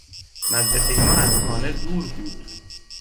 مدرسهٔ ما از خانه دور بود